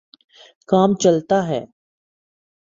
کام چلتا ہے۔